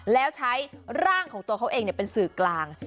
แล้วใช้ร่างของเขาเองเนี่ยเป็นศึกกลาง